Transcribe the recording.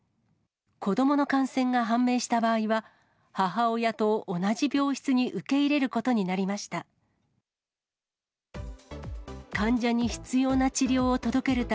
子どもの感染が判明した場合は、母親と同じ病室に受け入れることになりました。